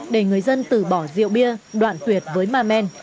để người dân từ bỏ rượu bia đoạn tuyệt với ma men